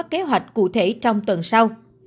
kế hoạch cụ thể trong tuần sau